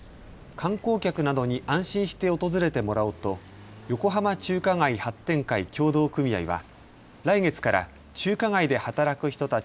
観光客などに安心して訪れてもらおうと横浜中華街発展会協同組合は来月から中華街で働く人たち